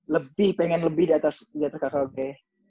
lebih pengen lebih di atas kakak gue